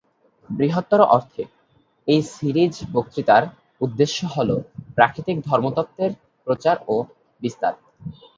বৃহত্তর অর্থে এই সিরিজ বক্তৃতার উদ্দেশ্য হলো প্রাকৃতিক ধর্মতত্ত্বের প্রচার ও বিস্তার।